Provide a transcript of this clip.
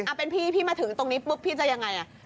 เป็นพี่พี่มาถึงตรงนี้ปุ๊บพี่จะยังไง